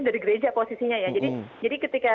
dari gereja posisinya ya jadi ketika